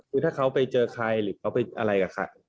คือถ้าเขาไปเจอใครหรือเขาไปอะไรกับใคร